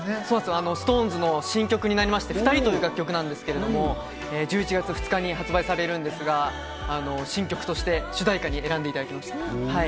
ＳｉｘＴＯＮＥＳの新曲『ふたり』という楽曲になりますが、１１月２０日に発売されるんですが、新曲として主題歌に選んでいただきました。